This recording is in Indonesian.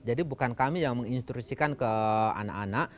jadi bukan kami yang menginstruksikan ke anak anak